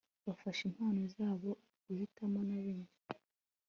Bafashe impano zabo guhitamo na benshi